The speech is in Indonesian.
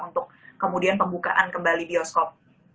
untuk kemudian pembukaan kembali bioskop